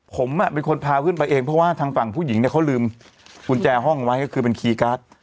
ผมเป็นคนพาขึ้นไปเองเพราะว่าทางฝั่งผู้หญิงเนี่ยเขาลืมกุญแจห้องไว้ก็คือเป็นคีย์การ์ด